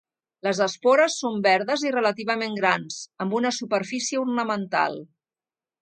Les espores són verdes i relativament grans, amb una superfície ornamental.